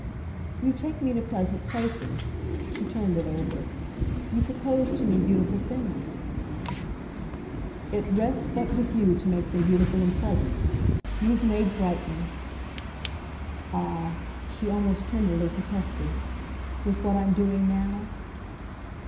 "You take me to pleasant places." She turned it over. "You propose to me beautiful things." "It rests but with you to make them beautiful and pleasant. You've made Brighton !" "Ah!" she almost tenderly protested. "With what I'm doing now?"